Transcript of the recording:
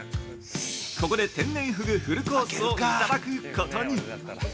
ここで天然ふぐフルコースをいただくことに。